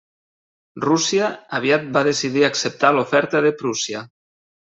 Rússia aviat va decidir acceptar l'oferta de Prússia.